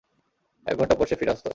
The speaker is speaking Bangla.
একঘন্টা পর সে ফিরে আসতো।